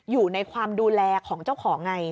อยู่ในความดูแลของเจ้าของไง